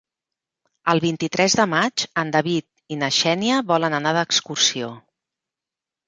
El vint-i-tres de maig en David i na Xènia volen anar d'excursió.